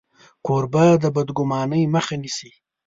کوربه د بدګمانۍ مخه نیسي.